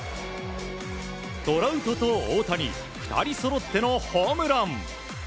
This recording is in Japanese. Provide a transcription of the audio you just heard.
トラウトと大谷２人そろってのホームラン。